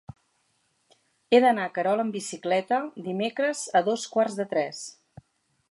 He d'anar a Querol amb bicicleta dimecres a dos quarts de tres.